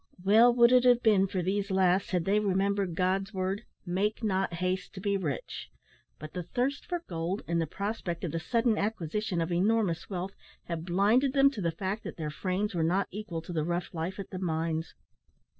Well would it have been for these last had they remembered God's word, "Make not haste to be rich;" but the thirst for gold, and the prospect of the sudden acquisition of enormous wealth, had blinded them to the fact that their frames were not equal to the rough life at the mines.